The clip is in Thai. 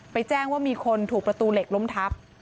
แจ้งว่ามีคนถูกประตูเหล็กล้มทับ